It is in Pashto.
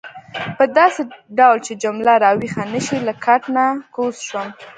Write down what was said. په داسې ډول چې جميله راویښه نه شي له کټ نه کوز شوم.